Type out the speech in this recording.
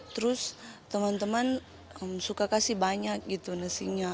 terus teman teman suka kasih banyak gitu nasinya